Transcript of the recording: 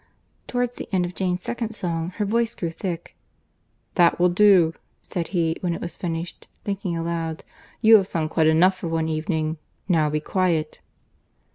Towards the end of Jane's second song, her voice grew thick. "That will do," said he, when it was finished, thinking aloud—"you have sung quite enough for one evening—now be quiet."